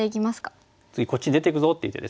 次こっち出ていくぞっていう手ですよね。